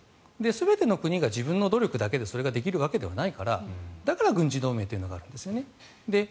全ての国が自分の努力だけでそれができるわけではないからだから軍事同盟というのがあるんですよね。